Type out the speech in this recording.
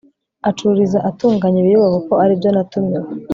acururiza atunganya ibiribwa kuko ari ibyo natumiwe